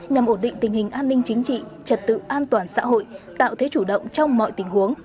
nhằm ổn định tình hình an ninh chính trị trật tự an toàn xã hội tạo thế chủ động trong mọi tình huống